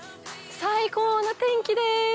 最高の天気です！